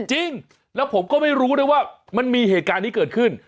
จริงแล้วผมก็ไม่รู้ด้วยว่ามันมีเหตุการณ์นี้เกิดขึ้น